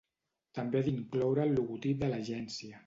També ha d'incloure el logotip de l'Agència.